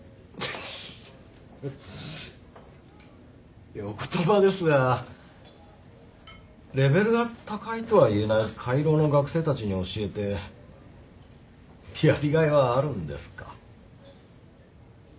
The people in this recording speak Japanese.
いやお言葉ですがレベルが高いとは言えない下位ローの学生たちに教えてやりがいはあるんですか？